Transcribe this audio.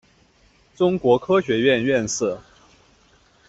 中国科学院院士。